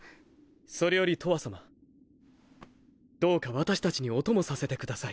それよりとわさまどうか私達にお供させてください。